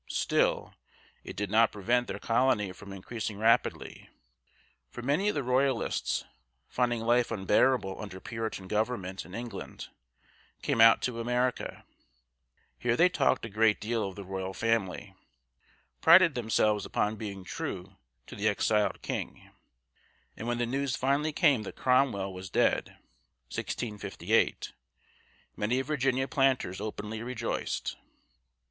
Still, it did not prevent their colony from increasing rapidly, for many of the Royalists, finding life unbearable under Puritan government in England, came out to America. Here they talked a great deal of the royal family, prided themselves upon being true to the exiled king, and when the news finally came that Cromwell was dead (1658), many Virginia planters openly rejoiced.